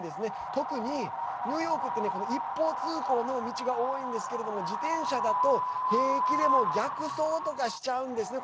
特にニューヨークってね一方通行の道が多いんですけれども自転車だと平気で逆走とかしちゃうんですね。